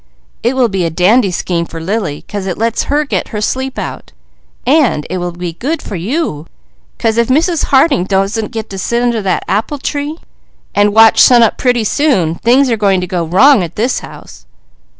It will be a dandy scheme for Lily, 'cause it lets her get her sleep out, and it will be good for you, 'cause if Mrs. Harding doesn't get to sit under that apple tree and watch sunup pretty soon, things are going to go wrong at this house."